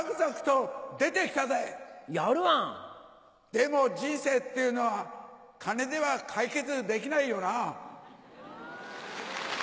でも人生っていうのは金では解決できないよなぁ。